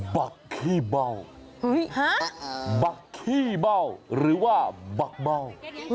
บักขี้เบาหรือว่าบักเบา